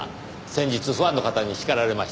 先日ファンの方に叱られました。